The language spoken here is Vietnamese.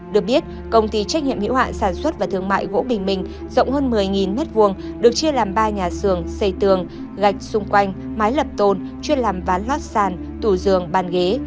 được biết công ty trách nhiệm hiệu hạn sản xuất và thương mại gỗ bình minh rộng hơn một mươi m hai được chia làm ba nhà xưởng xây tường gạch xung quanh mái lập tôn chuyên làm bán lót sàn tủ giường bàn ghế